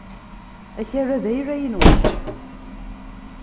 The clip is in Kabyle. Akal-a d ayla-inu.